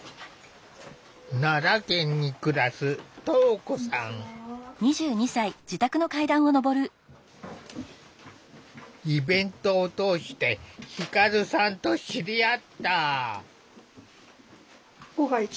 奈良県に暮らすイベントを通して輝さんと知り合った。